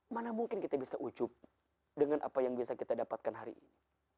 mana mungkin kita bisa ucup dengan apa yang bisa kita dapatkan hari ini